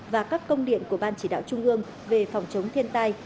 và các công điện của ban chỉ đạo trung ương về phòng chống thiên tai